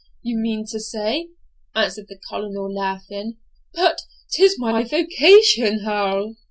you mean to say,' answered the Colonel, laughing; 'but 'tis my vocation, Hal.'